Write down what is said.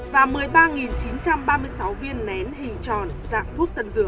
và một mươi ba chín trăm ba mươi sáu viên nén hình tròn sạch